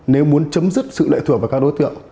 nếu muốn chấm dứt sự lệ thuộc vào các đối tượng